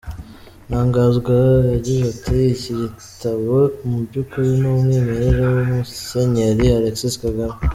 Ntaganzwa yagize ati: “Iki gitabo mu by’ukuri ni umwimerere wa Musenyeri Alexis Kagame.